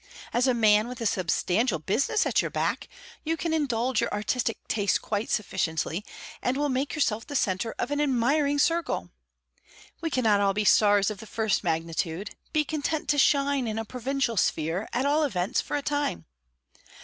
As a man with a substantial business at your back, you can indulge your artistic tastes quite sufficiently, and will make yourself the centre of an admiring circle. We cannot all be stars of the first magnitude. Be content to shine in a provincial sphere, at all events for a time.